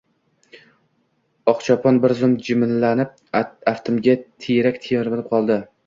Oqchopon bir zum jimlanib, aftimga tiyrak termilib qoldi: